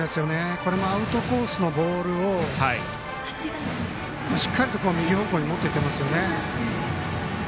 これもアウトコースのボールをしっかりと右方向に打っていっていますね。